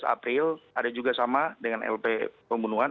dua belas april ada juga sama dengan lp pembunuhan